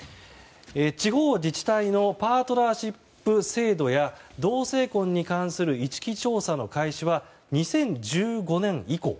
地方自治体のパートナーシップ制度や同性婚に関する意識調査の開始は２０１５年以降。